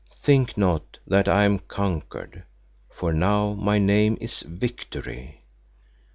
"Think not that I am conquered, for now my name is Victory!